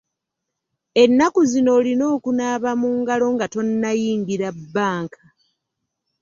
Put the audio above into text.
Ennaku zino olina okunaaba mu ngalo nga tonnayingira bbanka.